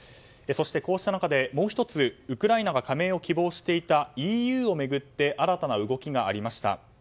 こうした中でもう１つウクライナが加盟を希望していたＥＵを巡って新たな動きがありました。